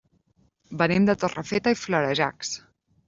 Venim de Torrefeta i Florejacs.